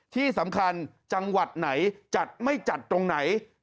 ที่สำคัญจังหวัดไหนจัดไม่จัดตรงไหน